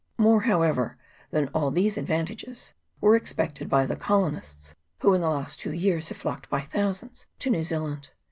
More, however, than all these advantages were expected by the colonists who in the last two years have flocked by thousands to New Zealand.